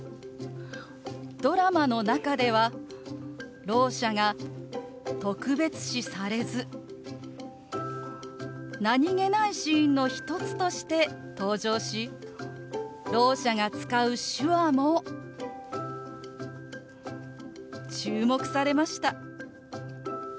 ドラマの中ではろう者が特別視されず何気ないシーンの一つとして登場しろう者が使う手話も注目されました。